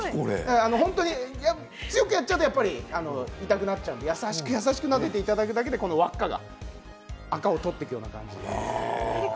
強くやっちゃうと痛くなっちゃうので優しくなでていただくだけでこの輪っかがあかを取ってくれます。